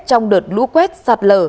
trong đợt lũ quét sạt lở